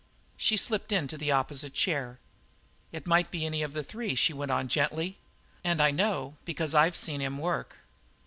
She slipped into the opposite chair. "It might be any of the three," she went on gently, "and I know because I've seen him work."